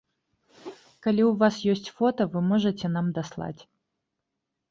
Калі ў вас ёсць фота, вы можаце нам даслаць.